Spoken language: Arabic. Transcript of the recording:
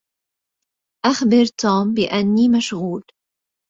أخبر توم بأني مشغول.